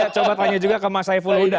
coba tanya juga ke mas haye fuluda